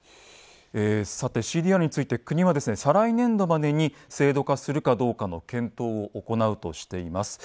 さてＣＤＲについて国は再来年度までに制度化するかどうかの検討を行うとしています。